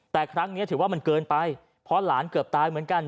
แต่ครั้งนี้ถือว่ามันเกินไปเพราะหลานเกือบตายเหมือนกัน